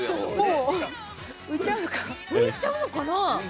浮いちゃうのかな？